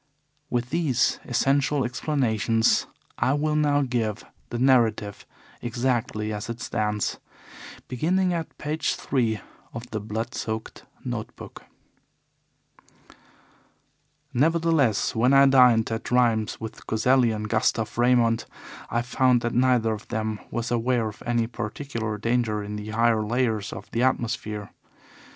With these essential explanations I will now give the narrative exactly as it stands, beginning at page three of the blood soaked note book: "Nevertheless, when I dined at Rheims with Coselli and Gustav Raymond I found that neither of them was aware of any particular danger in the higher layers of the atmosphere.